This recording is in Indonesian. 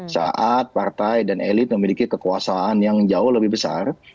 saat partai dan elit memiliki kekuasaan yang jauh lebih besar